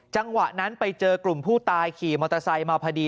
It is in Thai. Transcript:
จังหวะนั้นไปเจอกลุ่มผู้ตายขี่มอเตอร์ไซค์มาพอดี